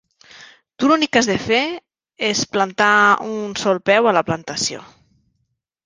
Tu l'únic que has de fer és plantar un sol peu a la plantació.